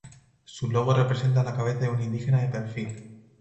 Su logo representa la cabeza de un indígena de perfil.